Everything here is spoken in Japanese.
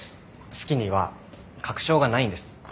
好きには確証がないんです。